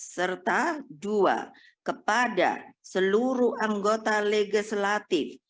serta dua kepada seluruh anggota legislatif